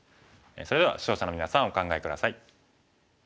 それでは視聴者のみなさんお考え下さい。